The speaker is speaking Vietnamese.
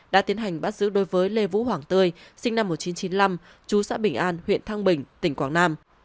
đã tiến hành bắt giữ đối với lê vũ hoàng tươi sinh năm một nghìn chín trăm chín mươi năm chú xã bình an huyện thăng bình tỉnh quảng nam